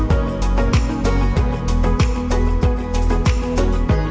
sampai jumpa di video selanjutnya